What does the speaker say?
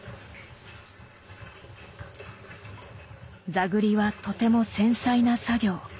座繰りはとても繊細な作業。